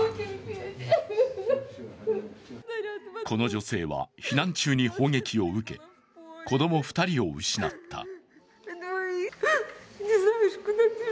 この女性は、避難中に砲撃を受け子供２人を失った。